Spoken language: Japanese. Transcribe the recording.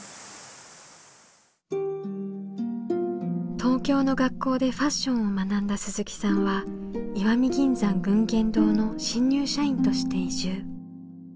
東京の学校でファッションを学んだ鈴木さんは石見銀山群言堂の新入社員として移住。